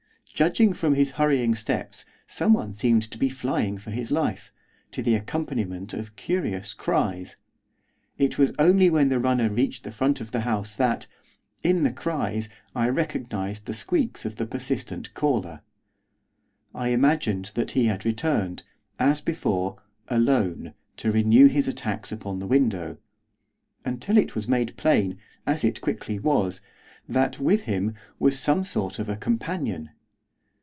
Judging from his hurrying steps someone seemed to be flying for his life, to the accompaniment of curious cries. It was only when the runner reached the front of the house that, in the cries, I recognised the squeaks of the persistent caller. I imagined that he had returned, as before, alone, to renew his attacks upon the window, until it was made plain, as it quickly was, that, with him, was some sort of a companion.